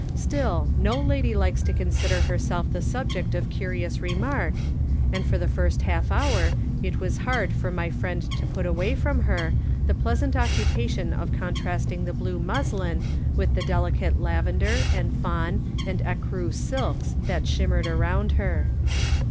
Still, no lady likes to consider herself the subject of curious remark, and for the first half hour it was hard for my friend to put away from her the pleasant occupation of contrasting the blue muslin with the delicate lavender and fawn and ecru silks that shim mered around her.